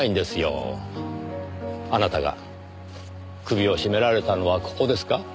あなたが首を絞められたのはここですか？